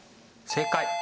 正解！